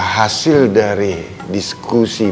hasil dari diskusi